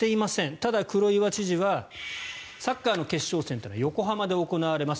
ただ、黒岩知事はサッカーの決勝戦というのは横浜で行われます。